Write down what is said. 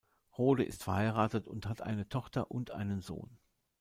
Rohde ist verheiratet und hat eine Tochter und einen Sohn.